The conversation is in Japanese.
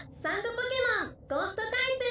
ポケモンゴーストタイプ。